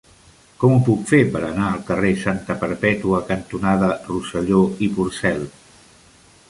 Com ho puc fer per anar al carrer Santa Perpètua cantonada Rosselló i Porcel?